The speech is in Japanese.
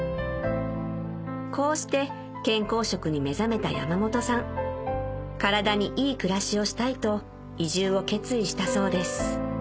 こうして健康食に目覚めた山本さん体にいい暮らしをしたいと移住を決意したそうです